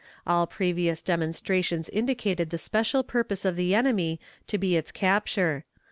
All previous demonstrations indicated the special purpose of the enemy to be its capture.